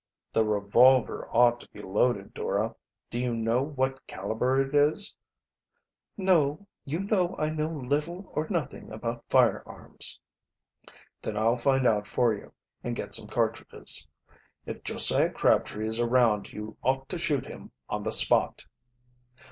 "The revolver ought to be loaded, Dora. Do you know what caliber it is?" "No; you know I know little or nothing about firearms." "Then I'll find out for you, and get some cartridges. If Josiah Crabtree is around you ought to shoot him on the spot."